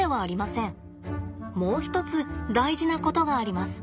もう一つ大事なことがあります。